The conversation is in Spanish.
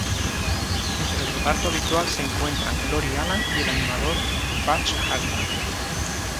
Entre el reparto habitual se encuentran Lori Alan y el animador Butch Hartman.